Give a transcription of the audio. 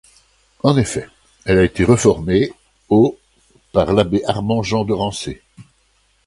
En effet, elle a été réformée au par l'abbé Armand-Jean de Rancé.